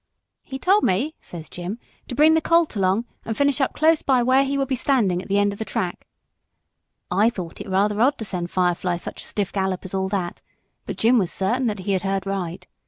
'He told me,' says Jim, 'to bring the colt along and finish up close by where he would be standing at the end of the track.' I thought it rather odd to send Firefly such a stiff gallop as all that, but Jim was certain that he had heard right.